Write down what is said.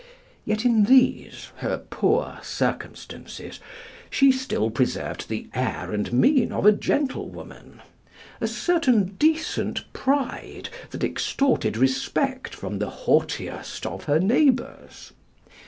Yet in these, her poor circumstances, she still preserved the air and mien of a gentlewoman a certain decent pride that extorted respect from the haughtiest of her neighbors.